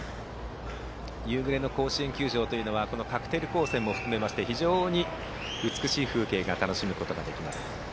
夕暮れの甲子園球場というのはカクテル光線も含めまして非常に美しい風景を楽しむことが出来ます。